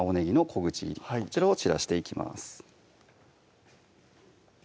こちらを散らしていきます